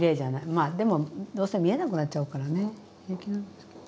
まあでもどうせ見えなくなっちゃうからね平気なんですけど。